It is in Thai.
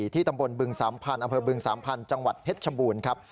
ที่ตำบลบึงสามพันธ์อำเภอบึงสามพันธุ์จังหวัดเพชรชบูรณ์ครับ